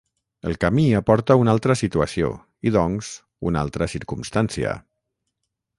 El camí aporta una altra situació, i doncs, una altra circumstància.